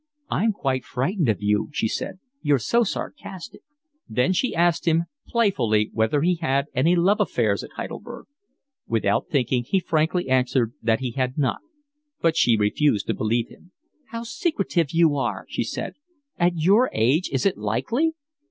"I'm quite frightened of you," she said. "You're so sarcastic." Then she asked him playfully whether he had not had any love affairs at Heidelberg. Without thinking, he frankly answered that he had not; but she refused to believe him. "How secretive you are!" she said. "At your age is it likely?"